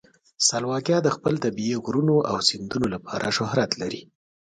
سلواکیا د خپل طبیعي غرونو او سیندونو لپاره شهرت لري.